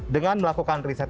dengan melakukan riset